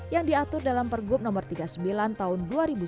yang diatur dalam pergub nomor tiga puluh sembilan tahun dua ribu sembilan belas